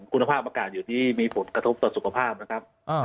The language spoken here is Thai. คุณภาพอากาศอยู่ที่มีผลกระทบต่อสุขภาพนะครับ